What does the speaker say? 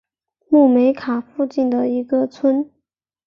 穆梅卡附近的一个村。